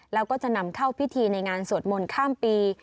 แล้วก็จะนำเข้าพิธีในงานสวดมนต์ข้ามปี